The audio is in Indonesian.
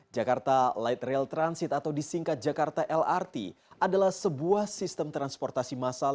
jakarta light rail transit atau disingkat jakarta lrt adalah sebuah sistem transportasi massal